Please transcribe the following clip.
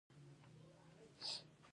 په منځ کې یې څرخ دی.